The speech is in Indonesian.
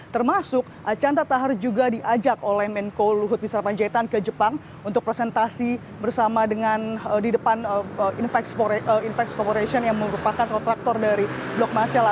termasuk acan ratahar juga diajak oleh menko lut bisa maju ke jepang untuk presentasi bersama dengan di depan infax corporation yang merupakan kontraktor dari blok masjid